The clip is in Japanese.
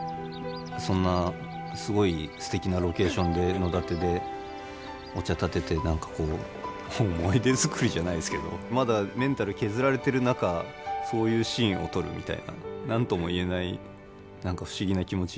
そんなすごいすてきなロケーションで野立てでお茶をたてて、なんか思い出作りじゃないですけどまだメンタル削られてる中そういうシーンを撮るみたいな